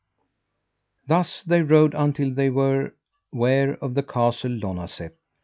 Thus they rode until they were ware of the Castle Lonazep.